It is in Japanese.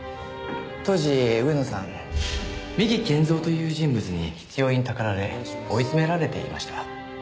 当時上野さん三木賢三という人物に執拗にたかられ追い詰められていました。